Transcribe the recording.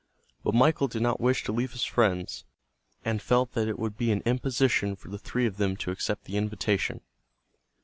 But Michael did not wish to leave his friends, and felt that it would be an imposition for the three of them to accept the invitation.